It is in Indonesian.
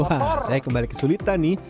wah saya kembali kesulitan nih